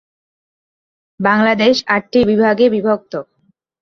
বাংলাদেশ আটটি বিভাগে বিভক্ত।